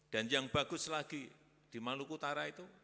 dan yang bagus lagi di maluku utara itu